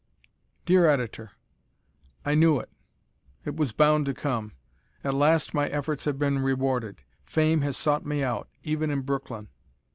_ Dear Editor: I knew it. It was bound to come. At last my efforts have been rewarded. Fame has sought me out even in Brooklyn.